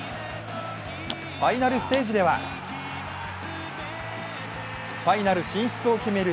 ファイナルステージでは、ファイナル進出を決める